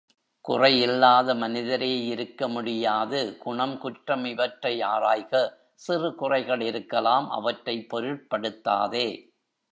குறை இல்லாத மனிதரே இருக்க முடியாது குணம் குற்றம் இவற்றை ஆராய்க சிறு குறைகள் இருக்கலாம் அவற்றைப் பொருட்படுத்தாதே.